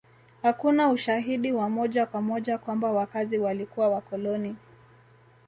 Hakuna ushahidi wa moja kwa moja kwamba wakazi walikuwa wakoloni